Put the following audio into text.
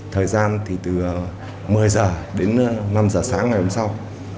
thời gian từ một mươi h đến năm h sáng ngày hôm sau